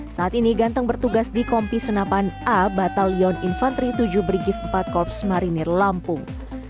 saat ini ganteng bertugas di kompi senapan a batalion infanteri tujuh brigif empat korps marinir lampung